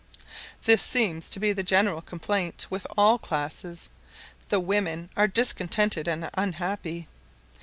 This seems to be the general complaint with all classes; the women are discontented and unhappy.